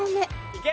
いけ！